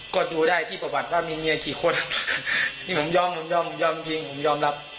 ก็ดูได้ที่ประวัติว่ามีเมียกี่คนนี่ผมยอมผมยอมยอมจริงผมยอมรับ